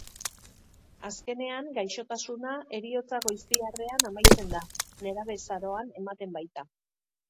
Azkenean, gaixotasuna heriotza gozitiarrean amaitzen da, nerabezaroan ematen baita.